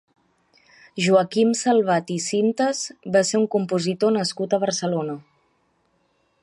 Joaquim Salvat i Sintes va ser un compositor nascut a Barcelona.